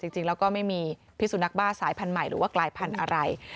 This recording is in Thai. จริงแล้วก็ไม่มีพิสุนักบ้าสายพันธุ์ใหม่หรือว่ากลายพันธุ์อะไร